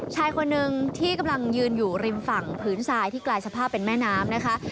ชายคนหนึ่งที่กำลังยืนอยู่ริมฝั่งพื้นทรายที่กลายสภาพเป็นแม่น้ำนะคะ